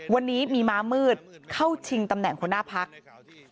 วันนี้มีม้ามืดเข้าชิงตำแหน่งคุณภักดิ์